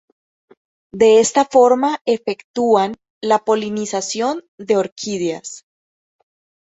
De esta forma efectúan la polinización de orquídeas.